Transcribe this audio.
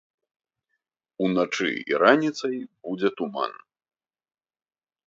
Уначы і раніцай будзе туман.